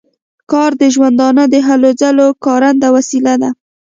کار د ژوندانه د هلو ځلو کارنده وسیله ده.